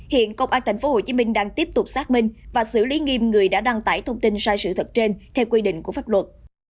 hiện công an tp hcm đang tiếp tục xác minh và xử lý nghiêm người đã đăng tải thông tin sai sự thật trên theo quy định của pháp luật